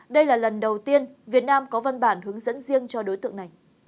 đây là lần đầu tiên việt nam có văn bản hướng dẫn riêng cho đối tượng này